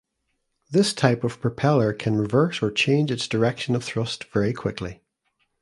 This type of propeller can reverse or change its direction of thrust very quickly.